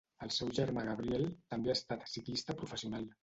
El seu germà Gabriel, també ha estat ciclista professional.